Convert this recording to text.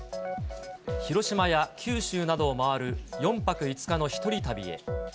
広島や九州などを回る４泊５日の一人旅へ。